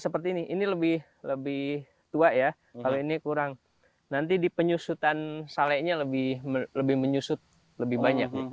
penyusutan salenya lebih menyusut lebih banyak